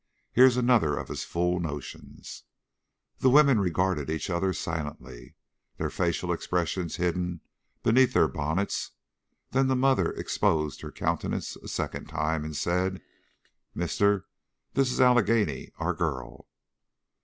Here's another of his fool notions." The women regarded each other silently, their facial expressions hidden beneath their bonnets; then the mother exposed her countenance a second time, and said, "Mister, this is Allegheny, our girl."